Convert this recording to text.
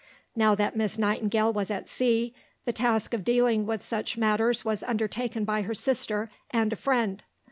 Now that Miss Nightingale was at sea, the task of dealing with such matters was undertaken by her sister and a friend.